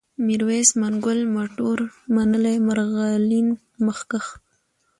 ميرويس ، منگول ، مټور ، منلی ، مرغلين ، مخکښ